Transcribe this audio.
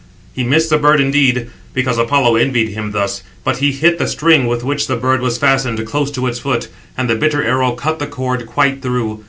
He missed the bird indeed, because Apollo envied him this, but he hit the string with which the bird was fastened, close to its foot; and the bitter arrow cut the cord quite through.